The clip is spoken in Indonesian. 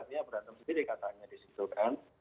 artinya berantem sendiri katanya di situ kan